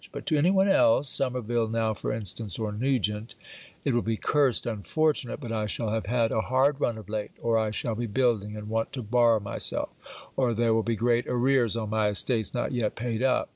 But to any one else Somerville now for instance or Nugent 'It will be curst unfortunate, but I shall have had a hard run of late or, I shall be building, and want to borrow myself or, there will be great arrears on my estates not yet paid up.'